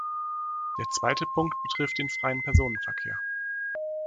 Der zweite Punkt betrifft den freien Personenverkehr.